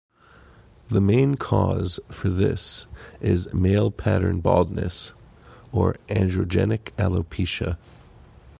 The main cause for this is "male pattern baldness" or androgenic alopecia.